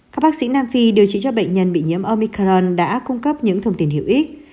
các bác sĩ nam phi điều trị cho bệnh nhân bị nhiễm omicron đã cung cấp những thông tin hữu ích